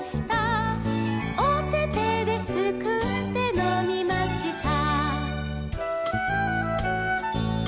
「おててですくってのみました」